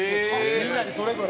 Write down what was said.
みんなにそれぞれ？